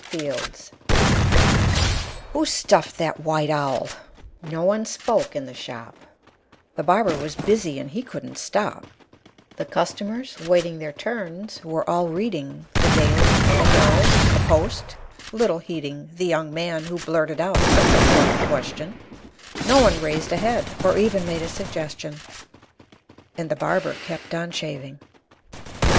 FIELDS "Who stuffed that white owl?" No one spoke in the shop, The barber was busy, and he couldn't stop; The customers, waiting their turns, were all reading The "Daily," the "Herald," the "Post," little heeding The young man who blurted out such a blunt question; Not one raised a head, or even made a suggestion; And the barber kept on shaving.